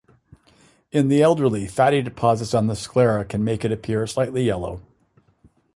In the elderly, fatty deposits on the sclera can make it appear slightly yellow.